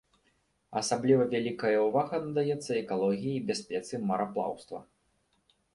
Асабліва вялікая ўвага надаецца экалогіі і бяспецы мараплаўства.